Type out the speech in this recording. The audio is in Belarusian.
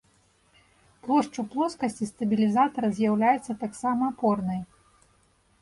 Плошчу плоскасці стабілізатара з'яўляецца таксама апорнай.